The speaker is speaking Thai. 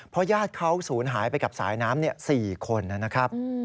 เพราะญาติเขาศูนย์หายไปกับสายน้ำ๔คนนะครับ